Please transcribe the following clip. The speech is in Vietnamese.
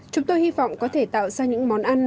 chúng tôi hy vọng có thể tạo ra những món ăn